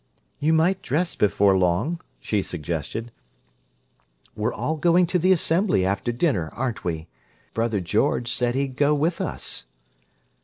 "You might dress before long," she suggested. "We're all going to the Assembly, after dinner, aren't we? Brother George said he'd go with us."